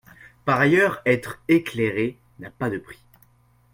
Par ailleurs, être éclairé n’a pas de prix.